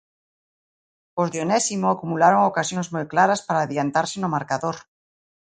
Os de Onésimo acumularon ocasións moi claras para adiantarse no marcador.